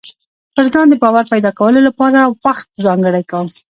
پر ځان د باور پيدا کولو لپاره وخت ځانګړی کوم.